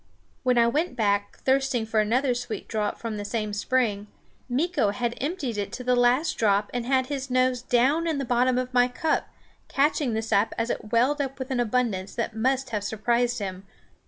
When I went back, thirsting for another sweet draught from the same spring, Meeko had emptied it to the last drop and had his nose down in the bottom of my cup, catching the sap as it welled up with an abundance that must have surprised him.